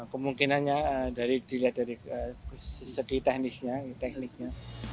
kemungkinannya dilihat dari segi teknisnya tekniknya